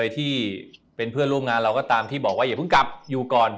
ที่เป็นเพื่อนร่วมงานเราก็ตามที่บอกว่าอย่าเพิ่งกลับอยู่ก่อน